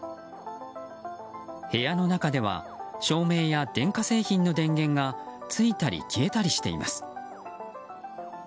部屋の中では照明や電化製品の電源がついたり消えたりしています。